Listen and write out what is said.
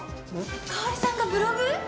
香織さんがブログ？